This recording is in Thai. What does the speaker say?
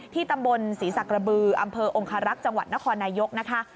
ตำบลศรีสักกระบืออำเภอองคารักษ์จังหวัดนครนายกนะคะ